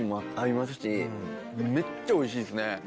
めっちゃおいしいですね！